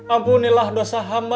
ampunilah dosa hamba